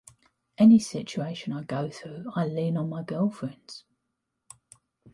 Any situation I go through, I lean on my girlfriends.